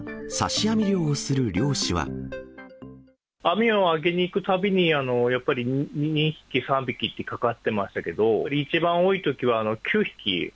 網を上げに行くたびに、やっぱり２匹、３匹ってかかってましたけど、一番多いときは９匹。